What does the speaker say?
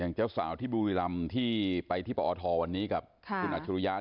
อย่างเจ้าสาวที่บุรีรำที่ไปที่ปธวันนี้กับคุณนัทชุริยะ